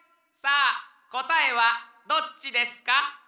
さあこたえはどっちですか？